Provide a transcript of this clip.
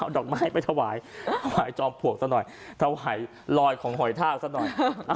เอาดอกไม้ไปถวายถวายจอมปลวกซะหน่อยถวายลอยของหอยทากซะหน่อย